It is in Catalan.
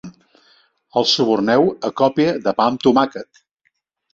El suborneu a còpia de pa amb tomàquet.